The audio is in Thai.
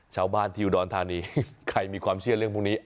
ชาวบ้านที่อุดรธานีใครมีความเชื่อเรื่องพวกนี้